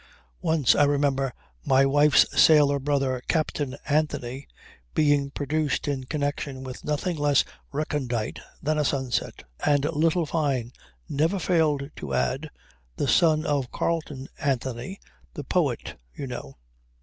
Once I remember "My wife's sailor brother Captain Anthony" being produced in connection with nothing less recondite than a sunset. And little Fyne never failed to add "The son of Carleon Anthony, the poet you know."